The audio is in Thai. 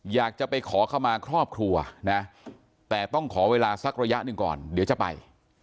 อยากจะไปขอเข้ามาครอบครัวนะแต่ต้องขอเวลาสักระยะหนึ่งก่อนเดี๋ยวจะไป